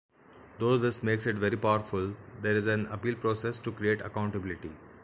Though this makes it very powerful, there is an appeal process to create accountability.